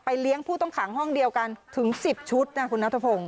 เลี้ยงผู้ต้องขังห้องเดียวกันถึง๑๐ชุดนะคุณนัทพงศ